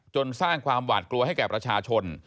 สร้างความหวาดกลัวให้แก่ประชาชน